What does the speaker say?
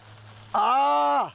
ああ！